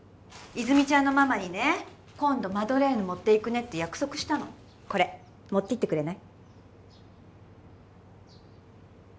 泉ちゃんのママにね今度マドレーヌ持っていくねって約束したのこれ持っていってくれない？